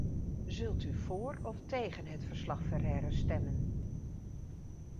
Zult u voor of tegen het verslag-Ferreira stemmen?